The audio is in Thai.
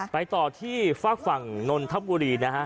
ไปต่อที่ฟากฝั่งนลทัพบุรีนะครับ